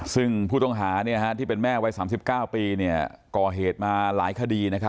ซึ่งผู้ต้องหาที่เป็นแม่วัย๓๙ปีก่อเหตุมาหลายคดี